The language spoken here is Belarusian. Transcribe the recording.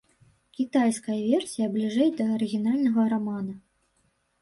Кітайская версія бліжэй да арыгінальнага рамана.